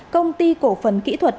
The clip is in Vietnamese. công ty cổ phần kỹ thuật